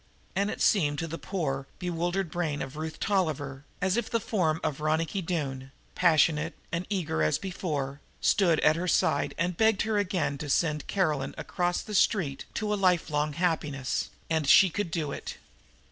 And it seemed to the poor, bewildered brain of Ruth Tolliver, as if the form of Ronicky Doone, passionate and eager as before, stood at her side and begged her again to send Caroline Smith across the street to a lifelong happiness, and she could do it.